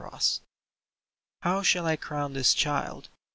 *^ How shall I crown this child